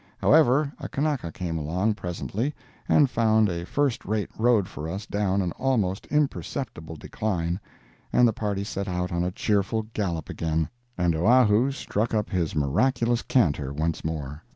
However, a Kanaka came along presently and found a first rate road for us down an almost imperceptible decline, and the party set out on a cheerful gallop again, and Oahu struck up his miraculous canter once more.